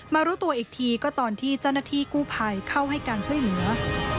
มารู้ตัวอีกทีก็ตอนที่จันที่กู้ไผ่เข้าให้การช่วยเหลือ